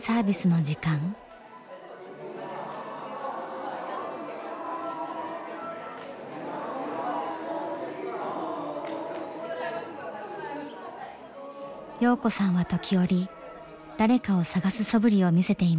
洋子さんは時折誰かを捜すそぶりを見せていました。